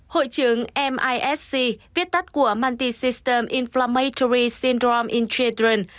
hội chứng misg viết tắt của multisystem inflammatory syndrome in children